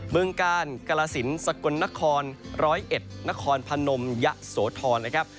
เบื้องกาลกรสินสกลนครร้อยเอ็ดนครพนมยะโสทรนะครับ